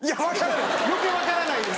余計分からないです。